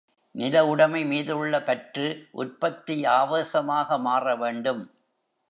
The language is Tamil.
நிலஉடைமை மீதுள்ள பற்று, உற்பத்தி ஆவேசமாக மாற வேண்டும்.